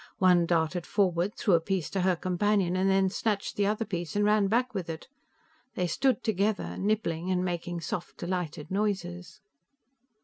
One darted forward, threw a piece to her companion and then snatched the other piece and ran back with it. They stood together, nibbling and making soft delighted noises.